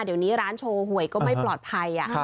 เดี๋ยวนี้ร้านโชว์หวยก็ไม่ปลอดภัย